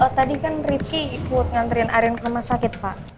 oh tadi kan ripki ikut ngantriin arief ke rumah sakit pak